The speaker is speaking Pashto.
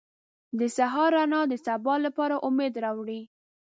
• د سهار رڼا د سبا لپاره امید راوړي.